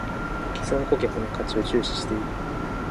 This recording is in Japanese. ① 既存顧客の価値を重視している